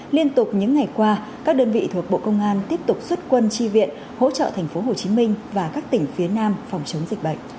liên tục những ngày qua các đơn vị thuộc bộ công an tiếp tục xuất quân tri viện hỗ trợ tp hcm và các tỉnh phía nam phòng chống dịch bệnh